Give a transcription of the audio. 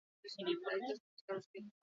Ondorioz, presio handiak jaso zituen.